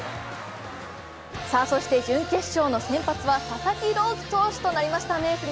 そして準決勝の先発は佐々木朗希投手となりましたね。